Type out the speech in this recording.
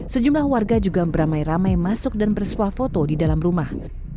sejumlah warga juga beramai ramai masuk dan bersuah foto di dalam rumah